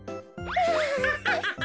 ハハハハ！